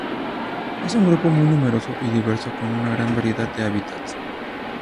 Es un grupo muy numeroso y diverso, con una gran variedad de hábitats.